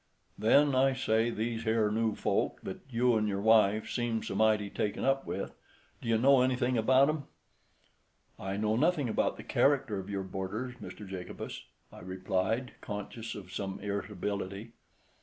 "Then—I say—these here new folk that you 'n' your wife seem so mighty taken up with—d'ye know anything about 'em?" "I know nothing about the character of your boarders, Mr. Jacobus," I replied, conscious of some irritability.